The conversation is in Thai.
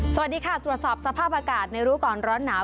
สวัสดีค่ะตรวจสอบสภาพอากาศในรู้ก่อนร้อนหนาว